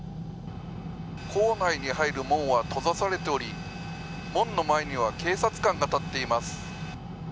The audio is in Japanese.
校内に入る門は閉ざされており門の前には警察官が立っています。